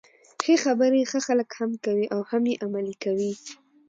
ښې خبري ښه خلک هم کوي او هم يې عملي کوي.